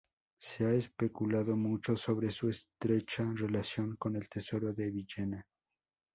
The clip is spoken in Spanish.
Se ha especulado mucho sobre su estrecha relación con el Tesoro de Villena.